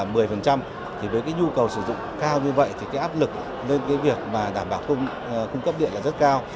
với nhu cầu sử dụng cao như vậy áp lực lên việc đảm bảo cung cấp điện rất cao